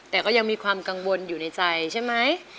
แต่ก็ยังมีความกังวลอยู่ในใจใช่ไหม